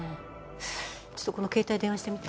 ちょっとこの携帯電話してみて。